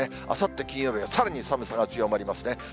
あさって金曜日はさらに寒さが強まりますね。